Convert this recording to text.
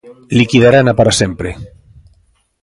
Liquidarana para sempre.